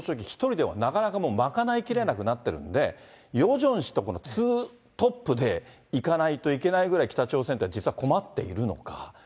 一人では、なかなか賄いきれなくなってるんで、ヨジョン氏とツートップで行かないといけないぐらい北朝鮮って実は困っているのか。